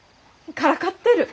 からかってる。